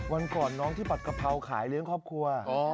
วันก่อนน้องที่ผัดกะเพราขายเลี้ยงครอบครัว